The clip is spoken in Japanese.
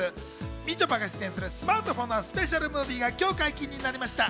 みちょぱが出演するスマートフォンのスペシャルムービーが今日、解禁になりました。